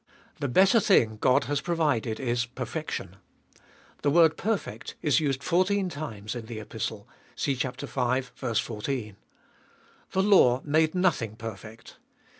The better thing God has provided is perfection. The word perfect is used fourteen times in the Epistle (see v. 14). The law made nothing perfect.